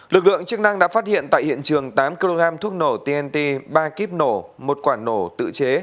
lực lượng chức năng đã phát hiện tại hiện trường tám kg thuốc nổ tnt ba kíp nổ một quả nổ tự chế